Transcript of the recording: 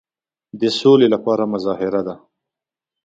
د سولي لپاره مظاهره ده.